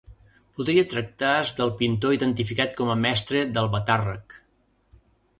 Podria tractar-se del pintor identificat com a Mestre d'Albatàrrec.